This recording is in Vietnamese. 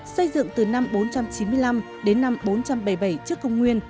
xây dựng từ năm bốn trăm chín mươi năm đến năm bốn trăm bảy mươi bảy trước công nguyên